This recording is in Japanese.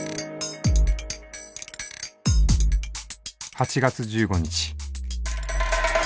８月１５日。